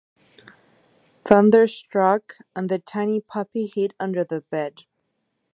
Thunder struck, and the tiny puppy hid under the bed.